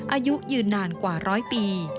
อายุยืนนานกว่าร้อยปี